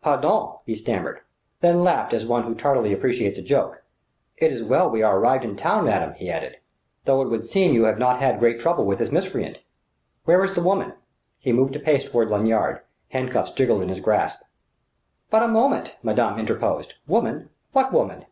"Pardon!" he stammered, then laughed as one who tardily appreciates a joke. "It is well we are arrived in time, madame," he added "though it would seem you have not had great trouble with this miscreant. Where is the woman?" He moved a pace toward Lanyard: hand cuffs jingled in his grasp. "But a moment!" madame interposed. "Woman? What woman?"